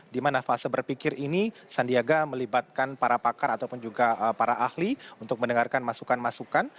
di mana fase berpikir ini sandiaga melibatkan para pakar ataupun juga para ahli untuk mendengarkan masukan masukan